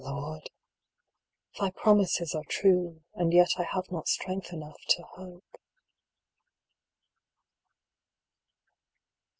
Lord ! Thy promises are true. And yet I have not strength enough to hope.